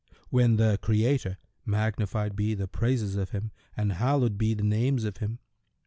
When the Creator (magnified be the praises of Him and hallowed be the names of Him!)